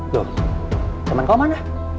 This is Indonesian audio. loh teman kamu mana